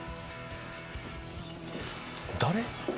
誰？